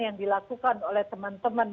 yang dilakukan oleh teman teman